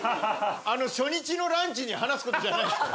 初日のランチに話すことじゃないそれ。